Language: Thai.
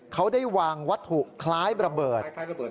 เขาได้วางวัตถุคล้ายบระเบิดคล้ายบระเบิด